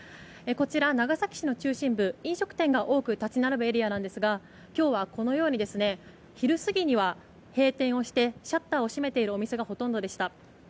長崎市の中心部、飲食店が多く立ち並ぶエリアですが今日は、このように昼過ぎには閉店をしてシャッターを閉めているお店がほとんどでした。